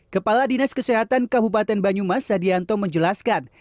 kepala dinas kesehatan kabupaten banyumas sadianto menjelaskan